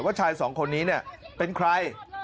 ชายสองคนนี้เป็นใคร